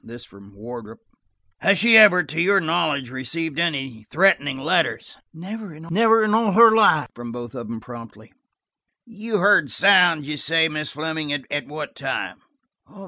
This from Wardrop. "Has she ever, to your knowledge, received any threatening letters?" "Never in all her life," from both of them promptly. "You heard sounds, you say, Miss Fleming. At what time?"